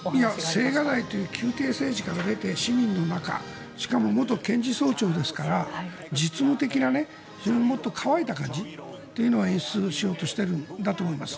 青瓦台という宮邸政治から出て市民の中しかも元検事総長ですから実務的なもっと乾いた感じというのを演出しようとしているんだと思います。